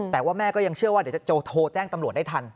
แต่ว่าแม่ก็ยังเชื่อว่าเดี๋ยวจะโทรแจ้งตำรวจได้ทัน